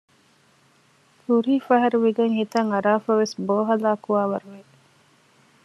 ކުރީފަހަރު ވިގޮތް ހިތަށް އަރައިފަވެސް ބޯ ހަލާކުވާ ވަރު ވެ